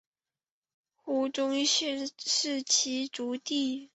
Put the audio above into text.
胡宗宪是其族弟。